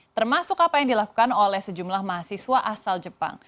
termasuk apa yang dilakukan oleh sejumlah mahasiswa asal jepang